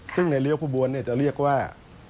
ซึ่งในเรียวผู้บวนจะเรียกว่า